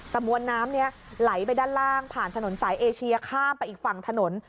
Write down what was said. แต่มวลน้ำนี้ไหลไปด้านล่างผ่านถนนสายเอเชียข้ามไปอีกฝั่งถนน